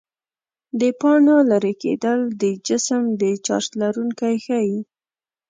د پاڼو لیري کېدل جسم د چارج لرونکی ښيي.